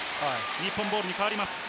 日本ボールに変わります。